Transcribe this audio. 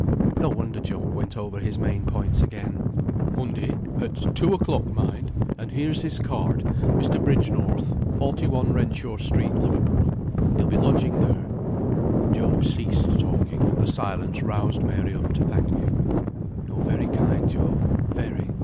No wonder Job went over his main points again: "Monday; at two o'clock, mind; and here's his card. 'Mr. Bridgenorth, 41, Renshaw Street, Liverpool.' He'll be lodging there." Job ceased talking, and the silence roused Mary up to thank him. "You're very kind, Job; very.